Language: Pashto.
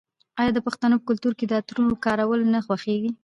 آیا د پښتنو په کلتور کې د عطرو کارول نه خوښیږي؟